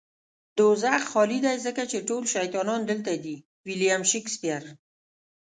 دوزخ خالی دی ځکه چې ټول شيطانان دلته دي. ويلييم شکسپير